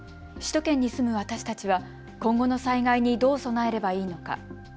首都圏に住む私たちは今後の災害にどう備えればいいのか。